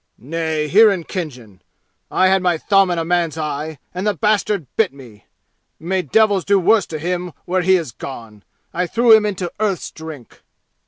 "Nay. Here in Khinjan. I had my thumb in a man's eye, and the bastard bit me! May devils do worse to him where he has gone! I threw him into Earth's Drink!"